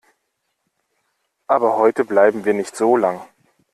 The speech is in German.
Aber heute bleiben wir nicht so lang.